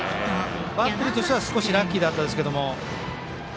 バッテリーとしては少しラッキーだったですけど。